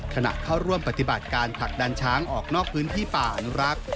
ขณะเข้าร่วมปฏิบัติการผลักดันช้างออกนอกพื้นที่ป่าอนุรักษ์